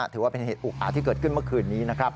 ถือว่าเป็นเหตุอุกอาจที่เกิดขึ้นเมื่อคืนนี้นะครับ